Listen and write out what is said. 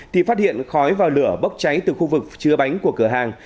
thì phát hiện khói và lửa bốc cháy từ khu vực chứa bánh của cửa hàng